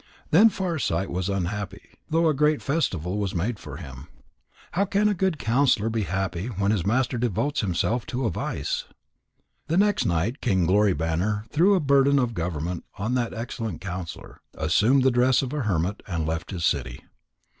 Then Farsight was unhappy though a great festival was made for him. How can a good counsellor be happy when his master devotes himself to a vice? The next night King Glory banner threw the burden of government on that excellent counsellor, assumed the dress of a hermit, and left his city.